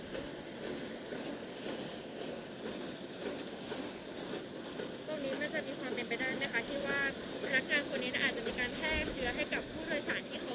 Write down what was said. ตรงนี้มันจะมีความเป็นไปด้านนะคะที่ว่าพนักงานคนนี้